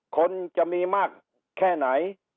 คนจะมีมากแค่ไหน